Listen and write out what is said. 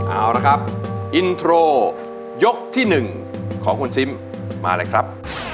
เอาละครับอินโทรยกที่๑ของคุณซิมมาเลยครับ